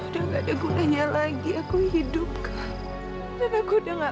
sampai jumpa di video selanjutnya